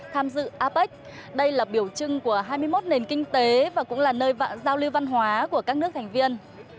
tham dự apec đây là biểu trưng của hai mươi một nền kinh tế và cũng là nơi giao lưu văn hóa của các nước thành viên